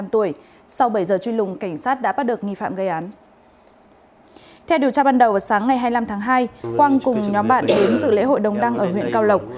theo điều tra ban đầu sáng ngày hai mươi năm tháng hai quang cùng nhóm bạn đến dự lễ hội đồng đăng ở huyện cao lộc